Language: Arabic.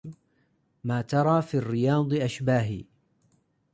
ما ترى في الرياض أشباهي